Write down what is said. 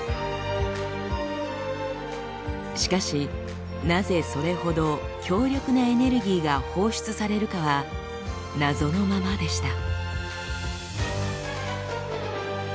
しかしなぜそれほど強力なエネルギーが放出されるかは謎のままでした。